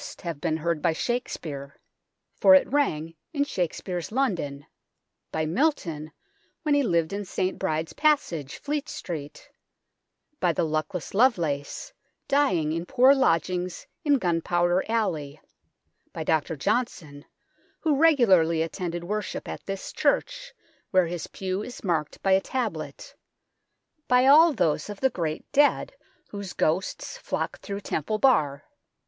THE BELLS OF ST CLEMENT'S 239 Shakespeare, for it rang in Shakespeare's London ; by Milton, when he lived in St Bride's Passage, Fleet Street ; by the luckless Lovelace, dying in poor lodgings in Gunpowder Alley ; by Dr Johnson, who regularly attended worship at this church, where his pew is marked by a tablet ; by all those of the great dead whose ghosts flock through Temple Bar.